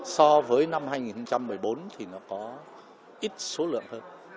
so với năm hai nghìn một mươi bốn thì nó có ít số lượng hơn